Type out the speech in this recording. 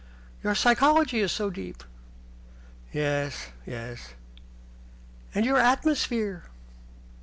"Your psychology is so deep." "Yes, yes." "And your atmosphere."